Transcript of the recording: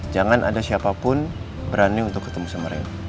jangan ada siapa pun berani untuk ketemu sama rena